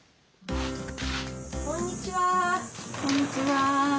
こんにちは。